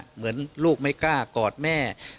เหมือนลูกไม่กล้ากอดแม่